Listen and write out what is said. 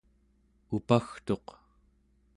upagtuq